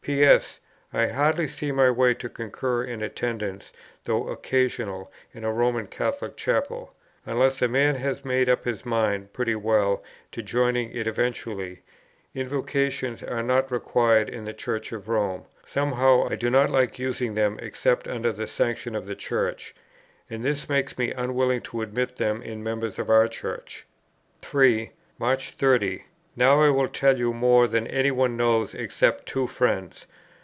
"P.S. I hardly see my way to concur in attendance, though occasional, in the Roman Catholic chapel, unless a man has made up his mind pretty well to join it eventually. Invocations are not required in the Church of Rome; somehow, I do not like using them except under the sanction of the Church, and this makes me unwilling to admit them in members of our Church." 3. "March 30. Now I will tell you more than any one knows except two friends.